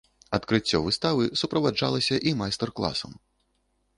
Адкрыццё выставы суправаджалася і майстар-класам.